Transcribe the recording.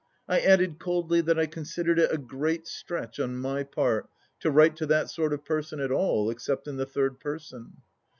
I added coldly that I considered it a great stretch on my part to write to that sort of person at all, except in the third person.